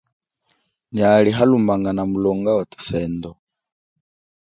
Nyali halumbangana mulonga wathusendo.